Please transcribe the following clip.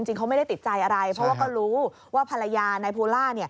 จริงเขาไม่ได้ติดใจอะไรเพราะว่าก็รู้ว่าภรรยานายภูล่า